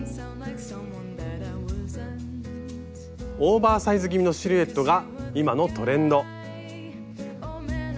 オーバーサイズ気味のシルエットが今のトレンド。